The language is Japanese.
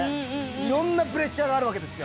いろんなプレッシャーがあるわけですよ。